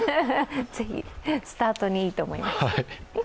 是非スタートにいいと思います。